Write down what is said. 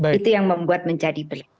itu yang membuat menjadi